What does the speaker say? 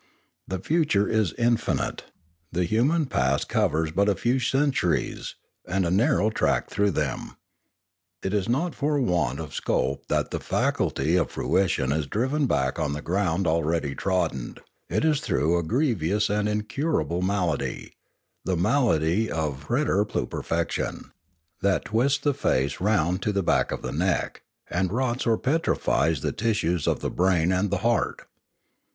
The future is infinite; Inspiration 427 the human past covers but a few centuries, and a nar row track through them. It is not for want of scope that the faculty of futurition is driven back on the ground already trodden; it is through a grievous and incurable malady, the malady of preterpluperfection, that twists the face round to the back of the neck, and rots or petrifies the tissues of the brain and the heart.